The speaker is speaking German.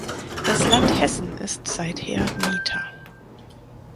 Das Land Hessen ist seither Mieter.